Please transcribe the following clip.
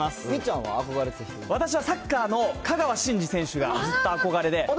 私は、サッカーの香川真司選手が、ずっと憧れで。